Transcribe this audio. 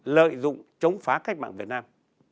lợi dụng chống phá cách mạng việt nam